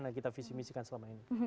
dan kita visi misikan selama ini